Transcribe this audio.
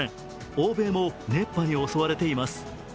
欧米も熱波に襲われています。